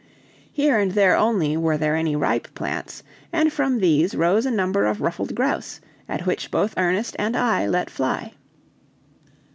Here and there only were there any ripe plants, and from these rose a number of ruffed grouse, at which both Ernest and I let fly.